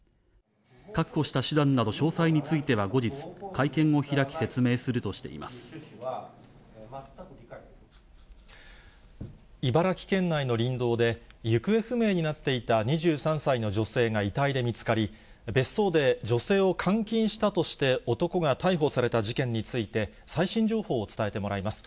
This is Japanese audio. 確保した手段など、詳細については後日、茨城県内の林道で、行方不明になっていた２３歳の女性が遺体で見つかり、別荘で女性を監禁したとして男が逮捕された事件について、最新情報を伝えてもらいます。